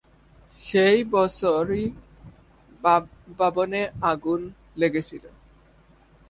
সেই বছরই ভবনে আগুন লেগেছিল।